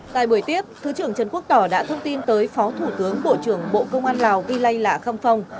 tại buổi tiếp thứ trưởng trần quốc tỏ đã thông tin tới phó thủ tướng bộ trưởng bộ công an lào vi lai lạc khăm phong